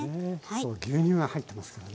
牛乳が入ってますからね。